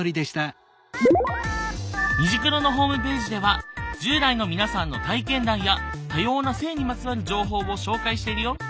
「虹クロ」のホームページでは１０代の皆さんの体験談や多様な性にまつわる情報を紹介しているよ。